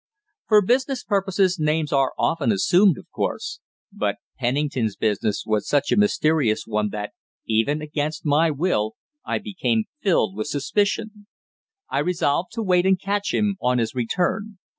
For business purposes names are often assumed, of course. But Pennington's business was such a mysterious one that, even against my will, I became filled with suspicion. I resolved to wait and catch him on his return.